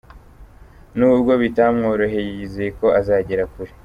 N'ubwo bitamworoheye yizeye ko azagera kure.